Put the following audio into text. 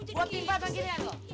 gue timpa bangkirnya lo